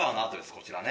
こちらね。